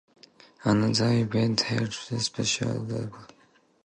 Another event held in the capital The Bottom is 'Saba Day'.